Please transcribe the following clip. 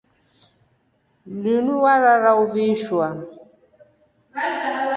Linu warara uvishwa.